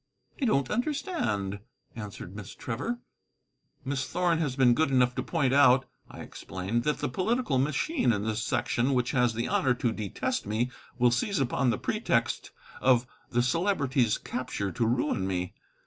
"I don't understand," answered Miss Trevor. "Miss Thorn has been good enough to point out," I explained, "that the political machine in this section, which has the honor to detest me, will seize upon the pretext of the Celebrity's capture to ruin me.